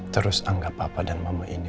terus anggap papa dan mama ini